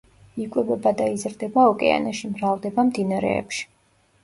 იკვებება და იზრდება ოკეანეში, მრავლდება მდინარეებში.